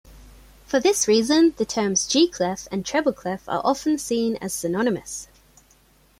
For this reason, the terms G-clef and treble clef are often seen as synonymous.